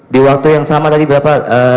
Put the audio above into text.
di waktu yang sama tadi berapa